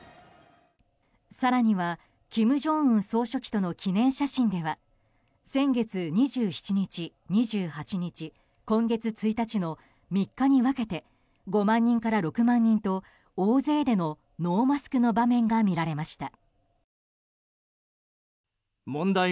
更には金正恩総書記との記念写真では先月２７日、２８日今月１日の３日に分けて５万人から６万人と大勢でのノーマスクの場面が見られました。